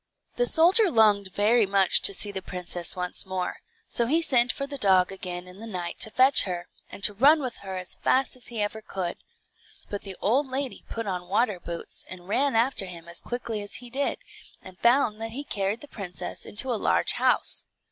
The soldier longed very much to see the princess once more, so he sent for the dog again in the night to fetch her, and to run with her as fast as ever he could. But the old lady put on water boots, and ran after him as quickly as he did, and found that he carried the princess into a large house.